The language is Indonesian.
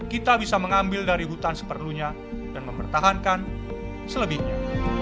kita bisa mengambil dari hutan seperlunya dan mempertahankan selebihnya